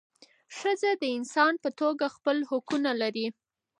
ښځه د انسان په توګه خپل حقونه لري .